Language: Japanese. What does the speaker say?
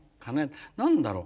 何だろう？